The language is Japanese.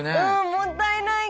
もったいない。